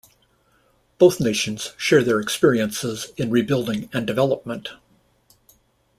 Both nations share their experiences in rebuilding and development.